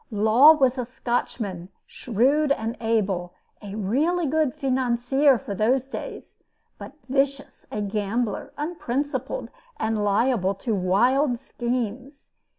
Law was a Scotchman, shrewd and able, a really good financier for those days, but vicious, a gambler, unprincipled, and liable to wild schemes.